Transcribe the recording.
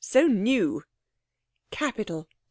So new!' 'Capital!